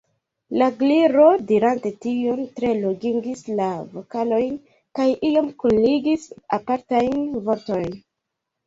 La Gliro, dirante tion, tre longigis la vokalojn, kaj iom kunligis apartajn vortojn.